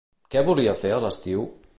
Què volia fer a l'estiu?